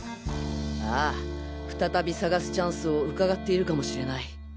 ああ再び探すチャンスをうかがっているかもしれない。